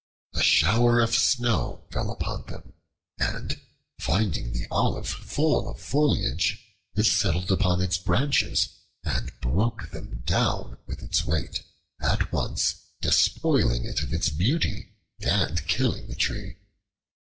A shower of snow fell upon them, and, finding the Olive full of foliage, it settled upon its branches and broke them down with its weight, at once despoiling it of its beauty and killing the tree.